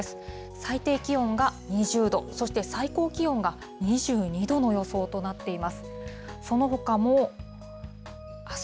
最低気温が２０度、そして最高気温が２２度の予想となっています。